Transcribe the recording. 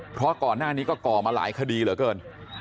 เพราะก่อนหน้านี้ก็ก่อมาหลายคดีเหลือเกิน